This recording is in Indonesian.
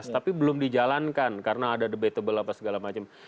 tapi belum dijalankan karena ada debatable apa segala macam